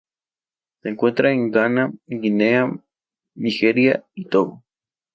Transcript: Se encuentra en Ghana, Guinea, Nigeria y Togo.